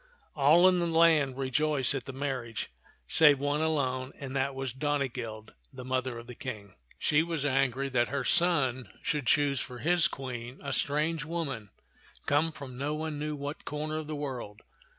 All in the land rejoiced at the marriage save one 66 t^t ii^an of ^a)v'0 Z<xU alone, and that was Donegild, the mother of the King. She was angry that her son should choose for his Queen a strange woman come from no one knew what corner of the world.